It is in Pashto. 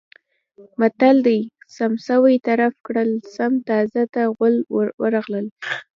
متل دی: سم سوی طرف کړل سم تازي ته غول ورغلل.